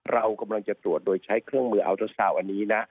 เรากำลังจะตรวจโดยใช้เครื่องมืออัลโตรนิดหนึ่งนะ